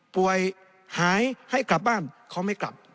ป่วยหายให้กลับบ้านเขาไม่กลับ